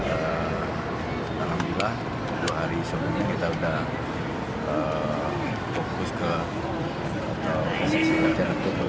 alhamdulillah dua hari sebelumnya kita sudah fokus ke prosesi latihan tubuh